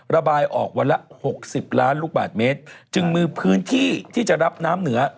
ระบายออกวันละหกสิบล้านลูกบาทเมตรจึงมีพื้นที่ที่จะรับน้ำเหนือ